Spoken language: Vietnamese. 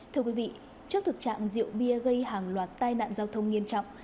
thưa quý vị trước thực trạng rượu bia gây hàng loạt tai nạn giao thông nghiêm trọng